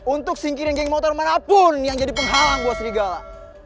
untuk singkirin geng motor manapun yang jadi penghalang buat serigala